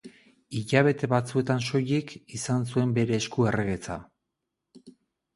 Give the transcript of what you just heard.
Hilabete batzuetan soilik izan zuen bere esku erregetza.